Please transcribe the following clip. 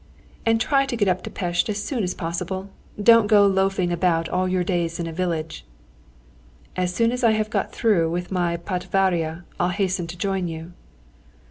"And try to get up to Pest as soon as possible. Don't go loafing about all your days in a village!" "As soon as I have got through with my patvaria I'll hasten to join you."